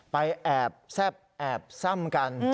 แอบแซ่บแอบซ่ำกัน